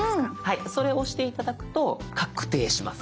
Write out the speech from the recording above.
はいそれを押して頂くと確定します。